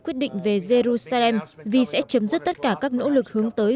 quyết định về jerusalem vì sẽ chấm dứt tất cả các nỗ lực hướng tới